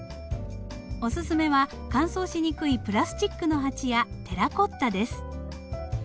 おすすめは乾燥しにくいプラスチックの鉢やテラコッタです。